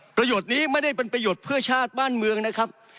ประโยชน์นี้ไม่ได้เป็นประโยชน์เพื่อชาติบ้านเมืองนะครับ